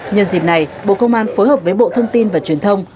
nhân dịp này bộ công an phối hợp với bộ thông tin và truyền thông